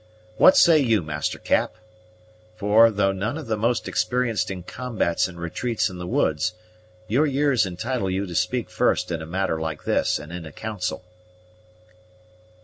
What say you, Master Cap? for, though none of the most experienced in combats and retreats in the woods, your years entitle you to speak first in a matter like this and in a council."